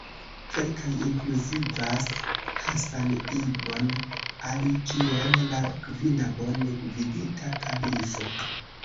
Kelkaj inkluzivas Hasan ibn Ali kiel la kvina bone gvidita kalifo.